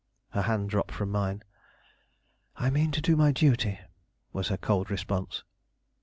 Her hand dropped from mine. "I mean to do my duty," was her cold response.